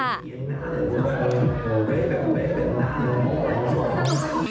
มากครับ